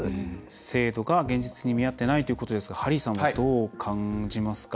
制度が現実に見合っていないということですがハリーさんは、どう感じますか？